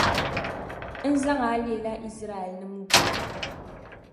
n zaŋ a leela Izraɛlnim’ gula.